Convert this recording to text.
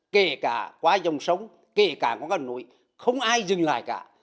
kể cả qua dòng sống kể cả qua núi không ai dừng lại cả